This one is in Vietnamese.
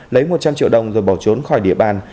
lấy một trăm linh triệu đồng rồi bỏ trốn khỏi địa bàn